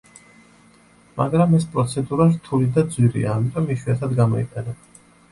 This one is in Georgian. მაგრამ ეს პროცედურა რთული და ძვირია, ამიტომ იშვიათად გამოიყენება.